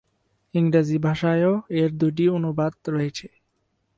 ইংরেজি ভাষায়ও এর দুটি অনুবাদ রয়েছে।